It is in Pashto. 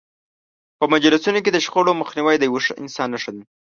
په مجلسونو کې د شخړو مخنیوی د یو ښه انسان نښه ده.